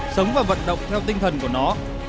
sống và vận động theo tinh thần của nó